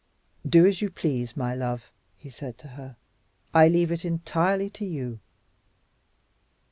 "Do as you please, my love," he said to her. "I leave it entirely to you."